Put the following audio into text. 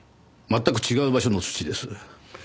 全く違う場所の土です。